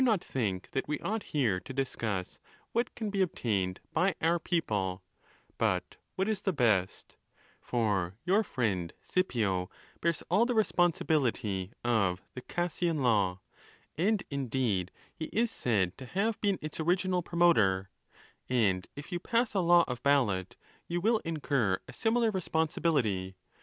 not think that we ought here to discuss what can be obtained by our people, but what is the best; for your friend Scipio 'bears all the responsibility of the Cassian Jaw ; and, indeed, he is said to have been its original promoter, And if you pass a law of ballot, you will incur a similar responsibility.